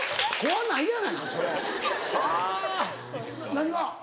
何が？